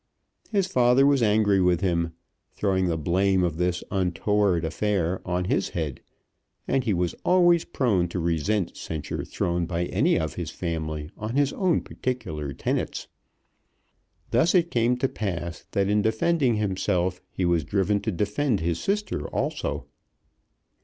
His father was angry with him, throwing the blame of this untoward affair on his head, and he was always prone to resent censure thrown by any of his family on his own peculiar tenets. Thus it came to pass that in defending himself he was driven to defend his sister also.